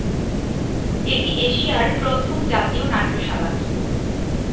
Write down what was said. এটি এশিয়ার প্রথম জাতীয় নাট্যশালা।